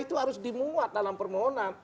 itu harus dimuat dalam permohonan